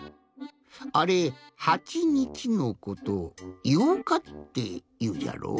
あれ「はちにち」のことを「八日」っていうじゃろ。